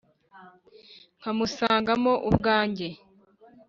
Nkamusangamo ubwangwe,